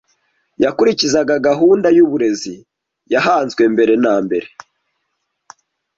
yakurikizaga gahunda y’uburezi yahanzwe mbere na mbere